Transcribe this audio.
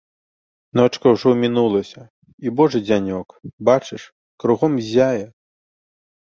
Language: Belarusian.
Ночка ўжо мінулася, і божы дзянёк, бачыш, кругом ззяе.